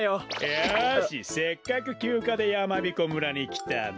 よしせっかくきゅうかでやまびこ村にきたんだ